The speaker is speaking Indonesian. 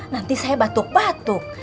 nanti saya batuk batuk